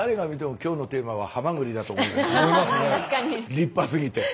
立派すぎて。